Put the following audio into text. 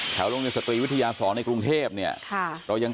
แถวโรงเรียนสตรีวิทยาศรในกรุงเทพเรายังตามให้อยู่